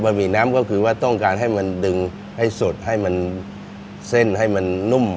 หมี่น้ำก็คือว่าต้องการให้มันดึงให้สดให้มันเส้นให้มันนุ่ม